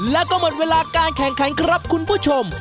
แล้วก็หมดเวลาการแข่งขันครับคุณผู้ชม